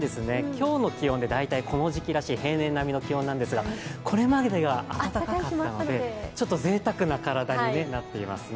今日の気温で大体この時期らしい平年並みの気温なんですがこれまでが暖かかったので、ちょっとぜいたくな体になっていますね。